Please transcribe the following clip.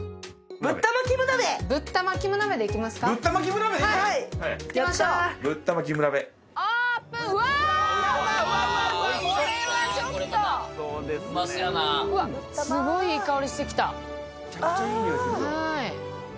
めちゃくちゃいいにおいするわ。